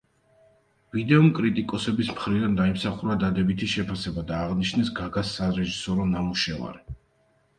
ვიდეომ კრიტიკოსების მხრიდან დაიმსახურა დადებითი შეფასება და აღნიშნეს გაგას სარეჟისორო ნამუშევარი.